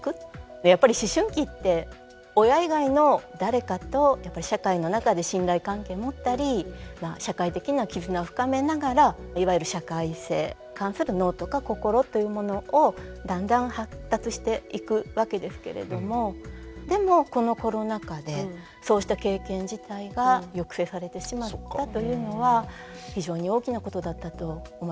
やっぱり思春期って親以外の誰かと社会の中で信頼関係持ったり社会的な絆を深めながらいわゆる社会性に関する脳とか心というものをだんだん発達していくわけですけれどもでもこのコロナ禍でそうした経験自体が抑制されてしまったというのは非常に大きなことだったと思いますね。